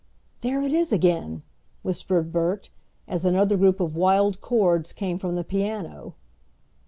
"There it is again," whispered Bert, as another group of wild chords came from the piano.